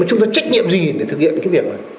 chúng ta trách nhiệm gì để thực hiện cái việc này